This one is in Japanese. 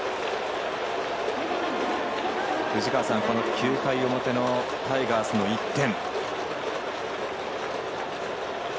９回表のタイガースの１点。